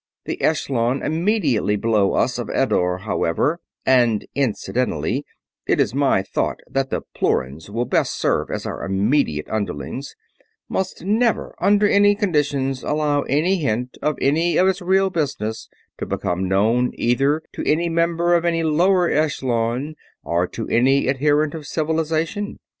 The echelon immediately below us of Eddore, however and incidentally, it is my thought that the Ploorans will best serve as our immediate underlings must never, under any conditions, allow any hint of any of its real business to become known either to any member of any lower echelon or to any adherent of Civilization.